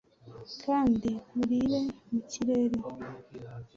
Kandi urire mu kirere.